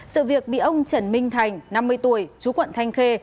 sự việc bị ông trần minh thành năm mươi tuổi chú quận thanh khê